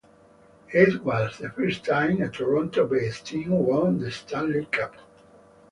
It was the first time a Toronto-based team won the Stanley Cup.